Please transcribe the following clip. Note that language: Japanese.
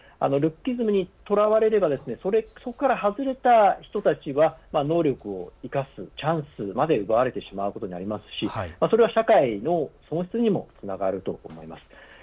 ルッキズムにとらわれればそこから外れた人たちは能力を生かすチャンスまで奪われてしまうことになりますしそれは社会の損失にもつながると思います。